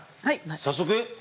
早速？